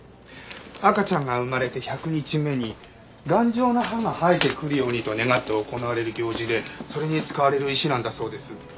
赤ちゃんが生まれて１００日目に頑丈な歯が生えてくるようにと願って行われる行事でそれに使われる石なんだそうです。